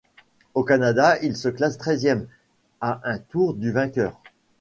Au Canada, il se classe treizième, à un tour du vainqueur.